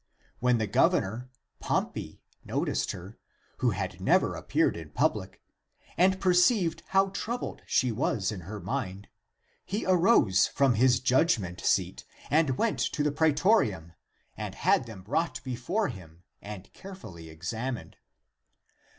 When the governor, Pompey, noticed her, who had never ap peared in public, and perceived how troubled she was in her mind, he arose from his judgment seat and went to the pretorium and had them brought before him and carefully examined.